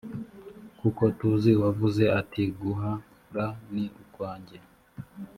kuko tuzi uwavuze ati guh ra ni ukwanjye